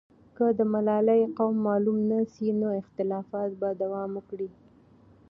که د ملالۍ قوم معلوم نه سي، نو اختلافات به دوام وکړي.